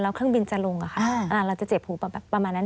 แล้วเครื่องบินจะลงอะค่ะเราจะเจ็บหูประมาณนั้น